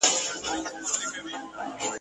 افسر کولای سي چي خولۍ ایسته کړي.